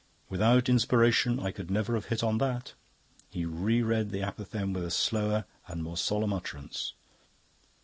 Without Inspiration I could never have hit on that." He re read the apophthegm with a slower and more solemn utterance.